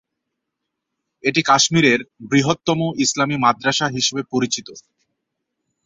এটি কাশ্মীরের বৃহত্তম ইসলামী মাদ্রাসা হিসেবে পরিচিত।